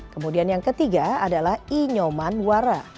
kemudian yang ketiga adalah inyoman wara